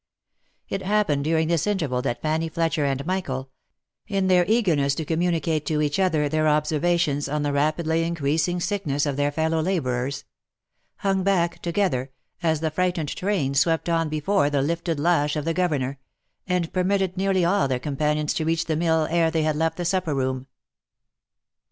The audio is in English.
It happened during this interval that Fanny Fletcher and Michael, in their eagerness to communicate to each other their observations on the rapidly increasing sickness of their fellow labourers, hung back together, as the frightened train swept on before the lifted lash of the governor, and permitted nearly all their companions to reach the mill ere they had left the supper room.